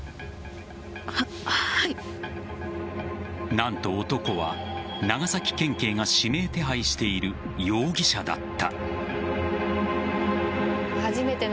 何と男は長崎県警が指名手配している容疑者だった。